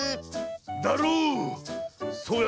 だろう？